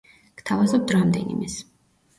გთავაზობთ რამდენიმეს.